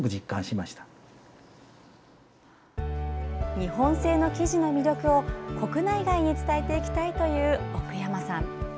日本製の生地の魅力を国内外に伝えていきたいという奥山さん。